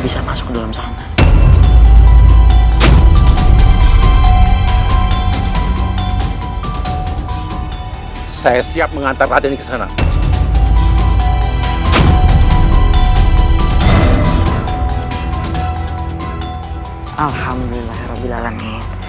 bisa masuk ke dalam sana saya siap mengantar raden kesana alhamdulillah ya rabbil alamin